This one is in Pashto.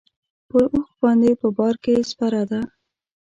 پر اوښ باندې په بار کې سپره ده.